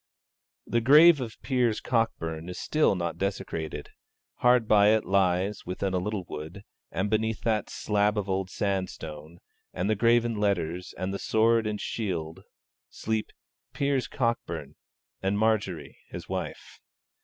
The grave of Piers Cockburn is still not desecrated: hard by it lies, within a little wood; and beneath that slab of old sandstone, and the graven letters, and the sword and shield, sleep 'Piers Cockburn and Marjory his wife.'